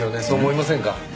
そう思いませんか？